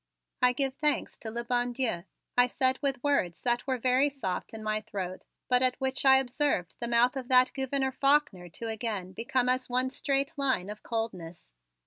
"I give thanks to le bon Dieu," I said with words that were very soft in my throat, but at which I observed the mouth of that Gouverneur Faulkner to again become as one straight line of coldness.